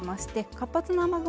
活発な雨雲